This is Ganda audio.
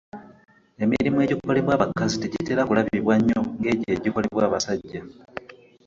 Emirimu egikolebwa abakazi tegitera kulabibwa nnyo ng’egyo egikolebwa abasajja.